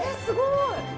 すごい。